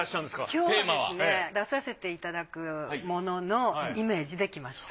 今日はですね出させていただくもののイメージできました。